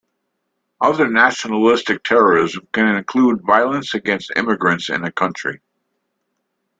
Other nationalistic terrorism can include violence against immigrants in a country.